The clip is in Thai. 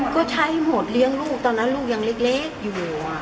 ก็ใช้หมดเลี้ยงลูกตอนนั้นลูกยังเล็กอยู่